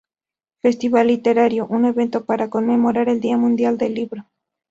Festival Literario" un evento para conmemorar el Día Mundial del Libro.